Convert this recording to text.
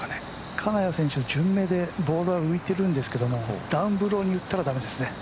金谷選手、順目でボールは浮いてるんですけどダンブローに打ったら駄目ですね。